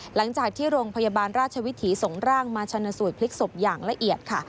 หลังจากที่โรงพยาบาลราชวิถีส่งร่างมาชนะสูตรพลิกศพอย่างละเอียดค่ะ